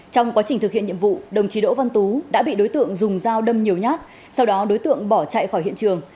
trong quá trình thực hiện nhiệm vụ đồng chí đỗ văn tú đã bị đối tượng dùng dao đâm nhiều nhát sau đó đối tượng bỏ chạy khỏi hiện trường